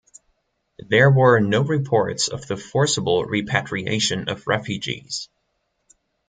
There were no reports of the forcible repatriation of refugees.